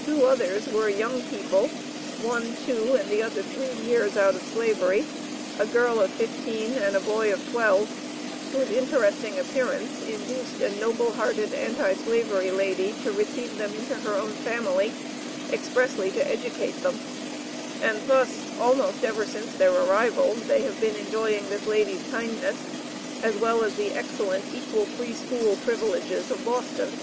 Two others were young people (one two, and the other three years out of Slavery), a girl of fifteen, and a boy of twelve, whose interesting appearance induced a noble hearted Anti Slavery lady to receive them into her own family, expressly to educate them; and thus, almost ever since their arrival, they have been enjoying this lady's kindness, as well as the excellent equal Free School privileges of Boston.